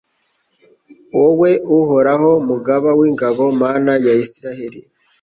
wowe Uhoraho Mugaba w’ingabo Mana ya Israheli